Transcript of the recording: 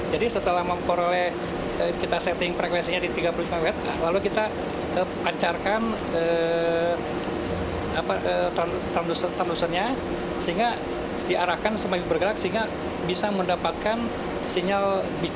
jadi setelah memporele kita setting frekuensinya di tiga puluh tujuh lima khz lalu kita pancarkan transpondernya sehingga diarahkan semakin bergerak sehingga bisa mendapatkan sinyal beacon dari black box